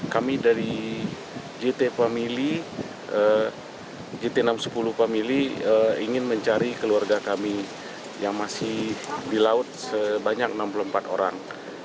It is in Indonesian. kami dari gt enam puluh family ingin mencari keluarga kami yang masih di laut sebanyak enam puluh empat orang